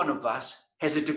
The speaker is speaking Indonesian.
setiap salah satu dari kita